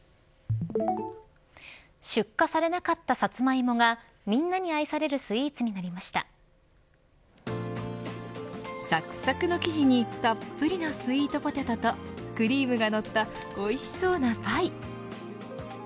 出荷されなかったサツマイモがみんなに愛されるサクサクの生地にたっぷりのスイートポテトとクリームが乗ったおいしそうなパイ。